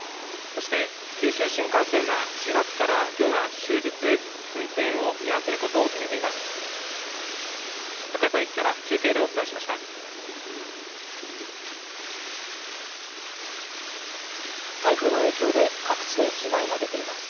そして九州新幹線は始発からきょうは終日、運転を見合わせることを決めています。